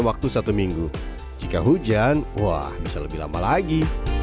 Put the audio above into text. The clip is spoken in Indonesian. waktu satu minggu jika hujan wah bisa lebih lama lagi